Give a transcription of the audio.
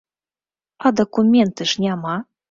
А дакумента ж няма!